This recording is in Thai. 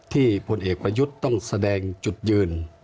พลเอกประยุทธ์ต้องแสดงจุดยืน